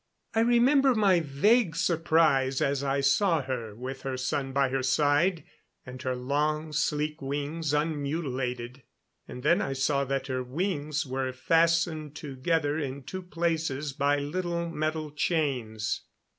I remember my vague surprise, as I saw her, with her son by her side, and her long sleek wings unmutilated. And then I saw that her wings were fastened together in two places by little metal chains.